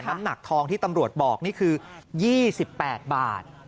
น้ำหนักทองที่ตำรวจบอกนี่คือ๒๘บาท